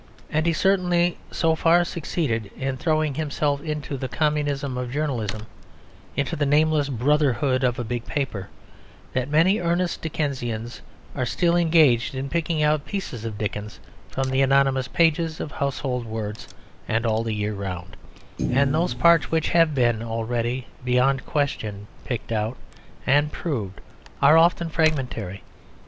And he certainly so far succeeded in throwing himself into the communism of journalism, into the nameless brotherhood of a big paper, that many earnest Dickensians are still engaged in picking out pieces of Dickens from the anonymous pages of Household Words and All the Year Round, and those parts which have been already beyond question picked out and proved are often fragmentary.